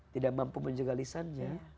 tidak mampu menjaga lisannya